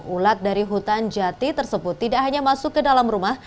ulat dari hutan jati tersebut tidak hanya masuk ke dalam rumah